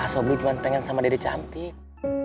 sobri cuma pengen sama diri cantik